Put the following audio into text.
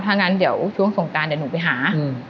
ถ้างั้นเดี๋ยวช่วงสงการเดี๋ยวหนูไปหา